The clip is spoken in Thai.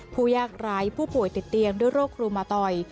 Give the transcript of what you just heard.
ผู้ยากไร้ผู้ป่วยติดเตียงด้วยโรคครูมาตอย